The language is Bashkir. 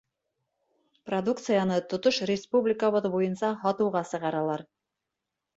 Продукцияны тотош республикабыҙ буйынса һатыуға сығаралар.